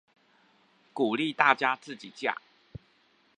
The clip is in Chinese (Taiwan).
鼓勵大家自己架